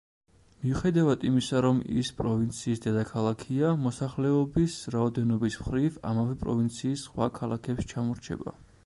მიუხედავად იმისა, რომ ის პროვინციის დედაქალაქია, მოსახლეობის რაოდენობის მხრივ, ამავე პროვინციის სხვა ქალაქებს ჩამორჩება.